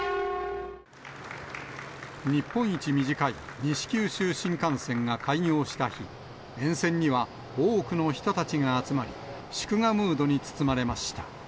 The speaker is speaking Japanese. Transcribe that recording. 日本一短い西九州新幹線が開業した日、沿線には多くの人たちが集まり、祝賀ムードに包まれました。